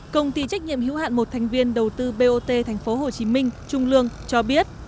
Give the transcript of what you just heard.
công ty trách nhiệm hữu hạn một thành viên đầu tư bot tp hcm trung lương cho biết